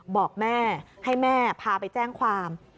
บอกแม่ให้แม่พาไปแจ้งความ